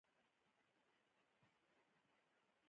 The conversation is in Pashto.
چاپېریال یې ډېر زړه راښکونکی و.